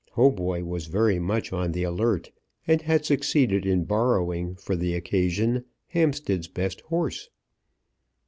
Hautboy was very much on the alert, and had succeeded in borrowing for the occasion Hampstead's best horse.